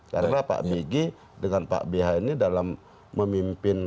karena pak bg dengan pak bh ini dalam memimpin